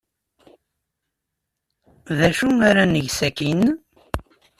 D acu ara neg sakkin?